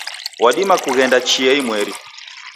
Wadima kughenda chia imweri